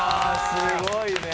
すごいね。